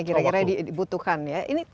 kira kira dibutuhkan ya